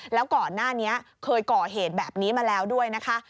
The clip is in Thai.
แล้วก่อนหน้านี้เคยก่อเหตุแบบนี้มาแล้วด้วยนะคะ